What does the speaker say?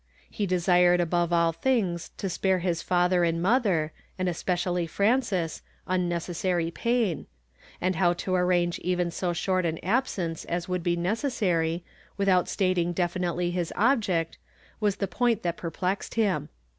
He desired above all things to si)are Ids father and motlier, and especially Frances, unnecessary jjain; and how to ari'ange even so short an absence as would b(! necessary, without stating definitely his object, was the pohit that perplexed him.